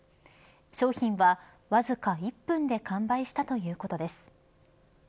商品は、わずか１分で完売したということです。